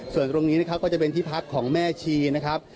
ส่วนตรงนี้นะครับก็จะเป็นที่พักของแม่ชีนะครับ